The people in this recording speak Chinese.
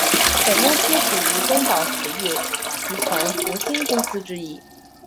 本公司属于东宝实业集团核心公司之一。